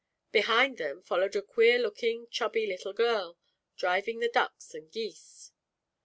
Behind them followed a queer looking, chubby little girl, driving the ducks and geese.